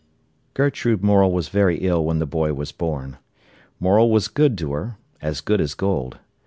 Gertrude Morel was very ill when the boy was born. Morel was good to her, as good as gold.